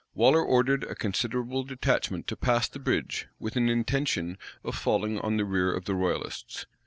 Waller ordered a considerable detachment to pass the bridge, with an intention of falling on the rear of the royalists.